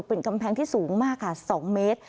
เป็นกำแพงที่สูงมากค่ะ๒เมตร